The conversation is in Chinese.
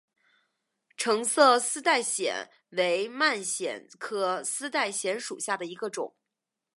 橙色丝带藓为蔓藓科丝带藓属下的一个种。